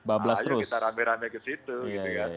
ayo kita rame rame ke situ gitu kan